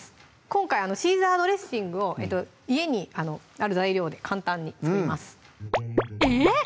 今回シーザードレッシングを家にある材料で簡単に作りますえっ